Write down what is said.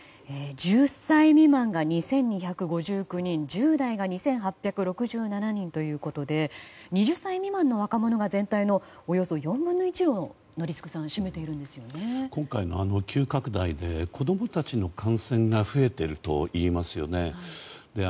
１０歳未満が２２５９人１０代が２８６７人ということで２０歳未満の若者が全体の４分の１を、宜嗣さん今回の急拡大で子供たちの感染が増えているといいますよね。